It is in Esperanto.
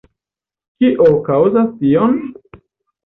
Kio kaŭzas tion?